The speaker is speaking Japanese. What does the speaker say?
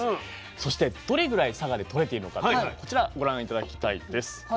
そしてどれぐらい佐賀でとれているのかというのをこちらご覧頂きたいです。